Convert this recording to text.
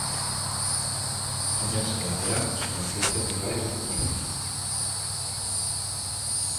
Tamén se debaterá sobre a ampliación dos horarios dos comercios.